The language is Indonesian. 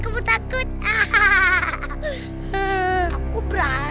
itu apa ya